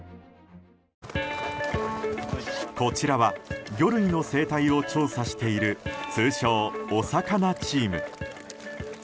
こちらは魚類の生態を調査している通称お魚チーム。